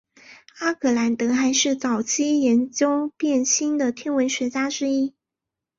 阿格兰德还是早期研究变星的天文学家之一。